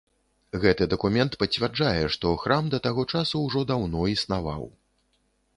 Гэты дакумент пацвярджае, што храм да таго часу ўжо даўно існаваў.